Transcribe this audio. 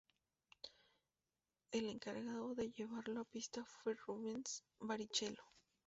El encargado de llevarlo a pista fue Rubens Barrichello.